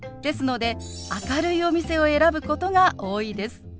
ですので明るいお店を選ぶことが多いです。